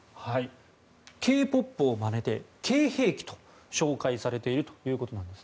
Ｋ‐ＰＯＰをまねてＫ‐兵器と紹介されているということです。